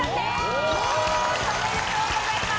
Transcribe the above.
おめでとうございます！